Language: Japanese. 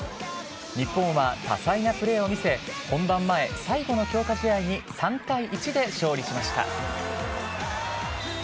日本は多彩なプレーを見せ、本番前、最後の強化試合に３対１で勝利しました。